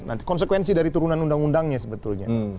nanti konsekuensi dari turunan undang undangnya sebetulnya